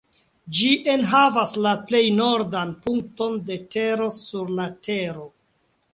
Ĝi enhavas la plej nordan punkton de tero sur la Tero.